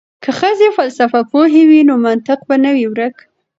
که ښځې فلسفه پوهې وي نو منطق به نه وي ورک.